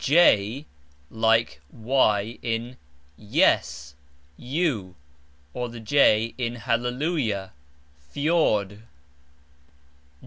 j like Y in Yes, You, or J in halleluJah, fJord.